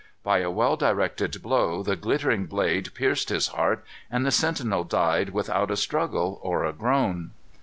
By a well directed blow the glittering blade pierced his heart, and the sentinel died without a struggle or a groan.